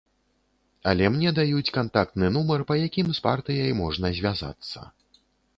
Але мне даюць кантактны нумар, па якім з партыяй можна звязацца.